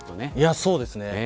そうですね。